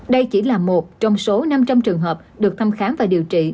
đây chỉ là một trong số năm trăm linh trường hợp được thăm khám và điều trị